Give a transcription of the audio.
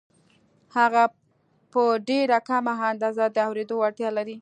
هغه په ډېره کمه اندازه د اورېدو وړتیا لري